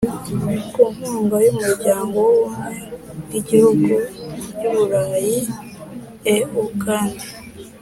Ku nkunga y Umuryango w Ubumwe bw Ibihugu by Uburayi E U kandi